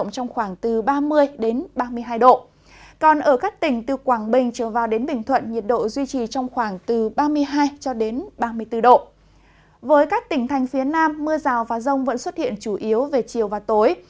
trong các tỉnh thành phía nam mưa rào và rông vẫn xuất hiện chủ yếu về chiều và tối